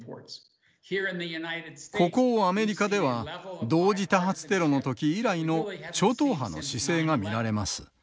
ここアメリカでは同時多発テロの時以来の超党派の姿勢が見られます。